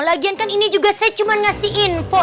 lagian kan ini juga saya cuma ngasih info